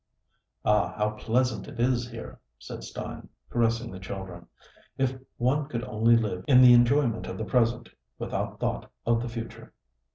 "Ah! how pleasant it is here!" said Stein, caressing the children. "If one could only live in the enjoyment of the present, without thought of the future!"